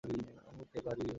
আমি উড়তে পারি।